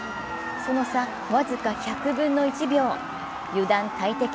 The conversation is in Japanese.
その差僅か１００分の１秒、油断大敵。